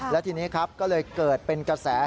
และทีนี้ครับก็เลยเกิดเป็นกระแส